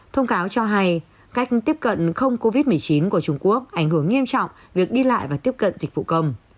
thông cáo cho hay cách tiếp cận không covid một mươi chín của trung quốc ảnh hưởng nghiêm trọng việc đi lại và tiếp cận dịch vụ công